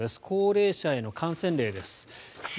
高齢者への感染例です。